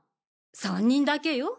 ３人だけよ。